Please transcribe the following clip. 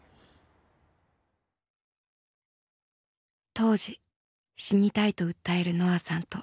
当時死にたいと訴えるのあさんと